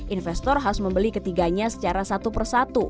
investor harus membeli ketiganya secara satu persatu